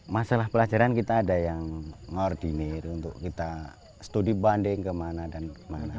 masalah pelajaran kita ada yang mengordinir untuk kita studi banding kemana dan kemana